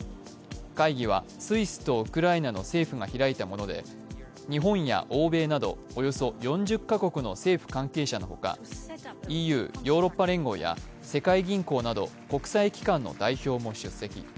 会議はスイスとウクライナの政府が開いたもので日本や欧米など、およそ４０カ国の政府関係者のほか、ＥＵ＝ヨーロッパ連合や世界銀行など国際機関の代表も出席。